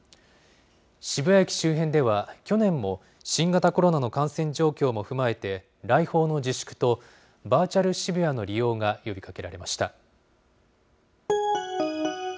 渋谷駅周辺では去年も、新型コロナの感染状況も踏まえて、来訪の自粛と、バーチャル渋谷の利用が呼びかけられました。